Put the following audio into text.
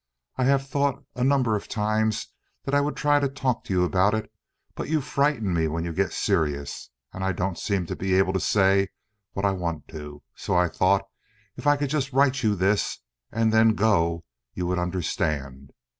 I have thought a number of times that I would try to talk to you about it, but you frighten me when you get serious, and I don't seem to be able to say what I want to. So I thought if I could just write you this and then go you would understand.